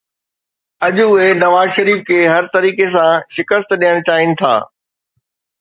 اڄ اهي نواز شريف کي هر طريقي سان شڪست ڏيڻ چاهين ٿا